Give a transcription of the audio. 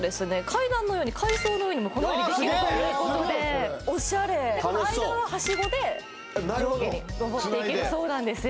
階段のように階層のようにもこのようにできるということで楽しそうこの間ははしごで上下に登っていけるそうなんです